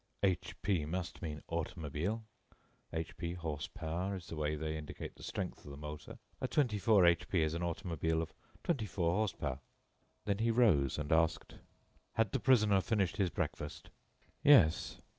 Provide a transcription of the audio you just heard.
"H P must mean automobile. H P, horsepower, is the way they indicate strength of the motor. A twenty four H P is an automobile of twenty four horsepower." Then he rose, and asked: "Had the prisoner finished his breakfast?" "Yes."